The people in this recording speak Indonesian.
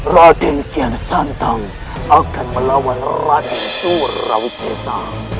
raden kian santang akan melawan raden surawi sesa